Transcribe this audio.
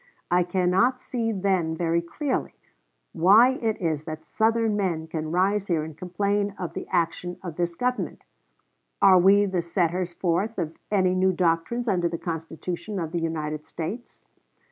I cannot see then very clearly why it is that Southern men can rise here and complain of the action of this Government.... Are we the setters forth of any new doctrines under the Constitution of the United States?